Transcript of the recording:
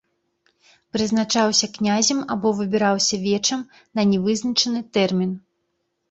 Прызначаўся князем або выбіраўся вечам на нявызначаны тэрмін.